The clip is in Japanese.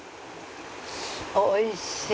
おいしい！